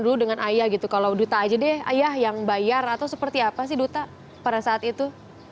dulu dengan ayah gitu kalau duta aja deh ayah yang bayar atau seperti apa sih duta pada saat itu